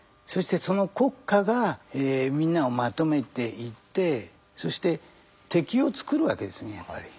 そしてその国家がみんなをまとめていってそして敵をつくるわけですねやっぱり。